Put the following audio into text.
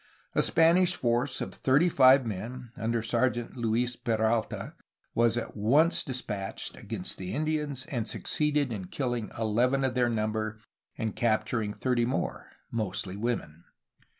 A Spanish force of thirty five men, under Sergeant Luis Peralta, was at once despatched against the Indians, and succeeded in killing eleven of their number and capturing thirty more, mostly women.